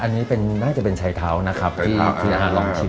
อันนี้น่าจะเป็นชายเท้านะครับที่อาร์ลองคิด